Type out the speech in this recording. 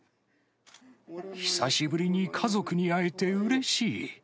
久しぶりに家族に会えてうれしい。